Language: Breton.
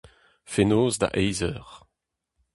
Fenoz da eizh eur.